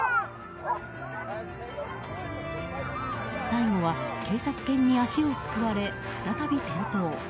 最後は警察犬に足をすくわれ再び転倒。